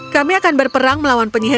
kami akan berperang melawan penyihir